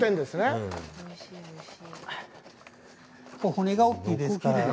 骨が大きいですから。